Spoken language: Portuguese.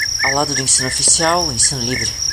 Ao lado do ensino oficial, o ensino livre.